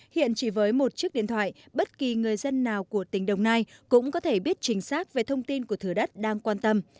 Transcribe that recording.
hiện chỉ với một chiếc điện thoại bất kỳ người dân nào của tỉnh đồng nai cũng có thể biết chính xác về thông tin của thửa đất đang quan tâm